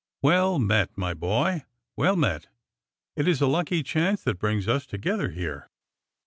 '' Well met, my boy, well met ! It is a lucky chance that brings us together here